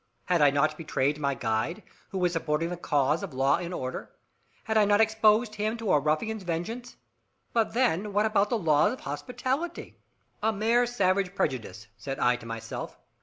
Had I not betrayed my guide, who was supporting the cause of law and order? Had I not exposed him to a ruffian's vengeance? But then, what about the laws of hospitality? "A mere savage prejudice," said I to myself.